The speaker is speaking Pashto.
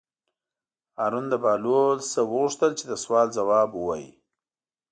هارون د بهلول نه وغوښتل چې د سوال ځواب ووایي.